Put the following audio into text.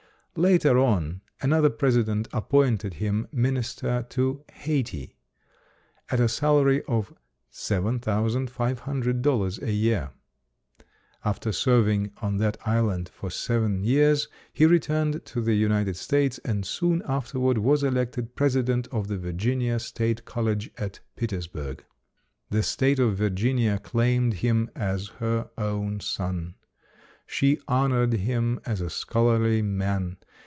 Later on, another President appointed him Minister to Hayti, at a salary of $7,500 a year. After serving on that island for seven years, he returned to the United States and soon afterward was elected President of the Virginia State Col lege at Petersburg. The state of Virginia claimed him as her own son. She honored him as a scholar ly man.